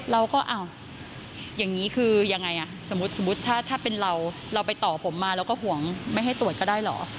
เราก็อ้าวอย่างนี้คือยังไงสมมุติถ้าเป็นเราเราไปต่อผมมาเราก็ห่วงไม่ให้ตรวจก็ได้เหรอ